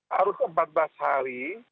harus empat belas hari